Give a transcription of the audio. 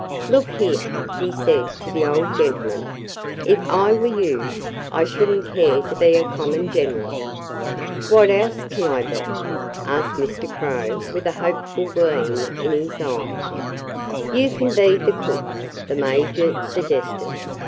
"Look here," he said to the old gentleman, "if I were you I shouldn't care to be a common general." "What else can I be?" asked Mr. Crow with a hopeful gleam in his eye. "You can be the cook," the Major suggested.